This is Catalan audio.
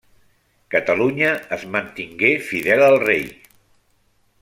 Catalunya es mantingué fidel al rei.